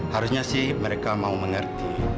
harusnya sih mereka mau mengerti